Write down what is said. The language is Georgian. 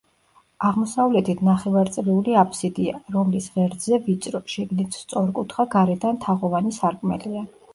აღმოსავლეთით ნახევარწრიული აბსიდია, რომლის ღერძზე ვიწრო, შიგნით სწორკუთხა, გარედან თაღოვანი სარკმელია.